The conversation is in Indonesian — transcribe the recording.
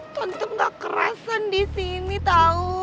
tentu nggak kerasan di sini tahu